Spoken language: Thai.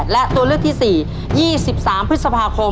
และตัวเลือกที่สี่๒๓พฤษภาคม๒๔๔๘